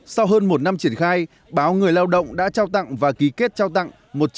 sau hơn một năm triển khai báo người lao động đã trao tặng và ký kết trao tặng